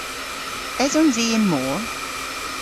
Esons i y'n mor?